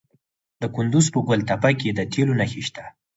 د کندز په ګل تپه کې د تیلو نښې شته.